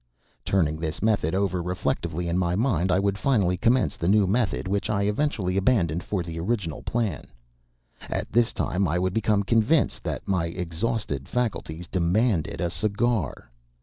Turning this method over reflectively in my mind, I would finally commence the new method which I eventually abandoned for the original plan. At this time I would become convinced that my exhausted faculties demanded a cigar.